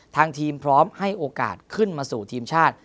ทางทีมพร้อมให้โอกาสขึ้นมาสู่ทีมชาติ